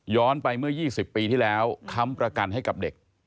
ไปเมื่อ๒๐ปีที่แล้วค้ำประกันให้กับเด็ก